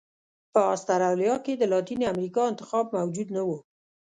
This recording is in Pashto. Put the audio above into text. په اسټرالیا کې د لاتینې امریکا انتخاب موجود نه و.